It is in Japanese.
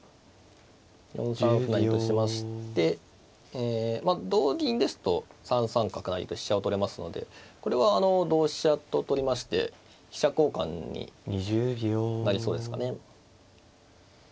４三歩成としましてえ同銀ですと３三角成と飛車を取れますのでこれは同飛車と取りまして飛車交換になりそうですかね。